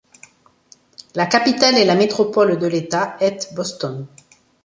La capitale et la métropole de l'État est Boston.